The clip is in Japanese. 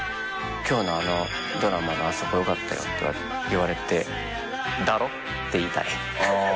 「今日のあのドラマのあそこ良かったよ」って言われてだろ？って言いたい。